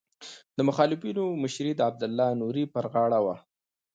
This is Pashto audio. د مخالفینو مشري د عبدالله نوري پر غاړه وه.